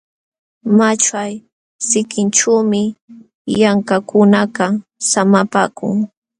Maćhay sikinćhuumi llamkaqkunakaq samapaakun.